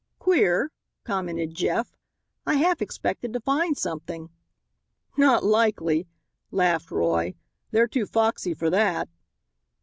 "Queer," commented Jeff, "I half expected to find something." "Not likely," laughed Roy, "they're too foxy for that."